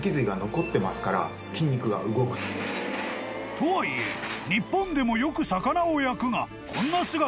［とはいえ日本でもよく魚を焼くがこんな姿見たことない］